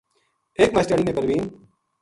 ایک ماشٹریانی نے پروین